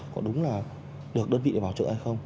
có đúng là được đơn vị để bảo trợ hay không